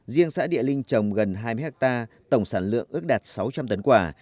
riêng xã địa linh trồng gần hai mươi hectare tổng sản lượng ước đạt sáu trăm linh tấn quả